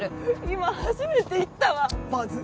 今初めて言ったわ「バズ」